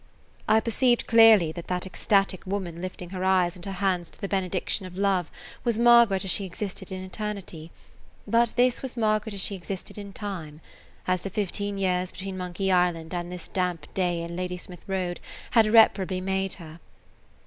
I perceived clearly that that ecstatic woman lifting her eyes and her hands to the benediction of love was Margaret as she existed in eternity; but this was Margaret as she existed in time, as the fifteen years between Monkey Island and this damp day in Ladysmith Road had irreparably made her.